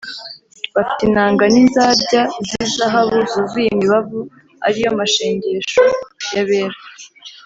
bafite inanga n’inzabya z’izahabu zuzuye imibavu, ari yo mashengesho y’abera.